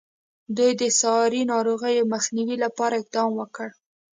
دوی د ساري ناروغیو مخنیوي لپاره اقدام وکړ.